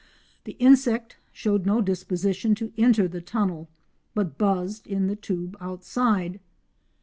The insect showed no disposition to enter the tunnel, but buzzed in the tube outside.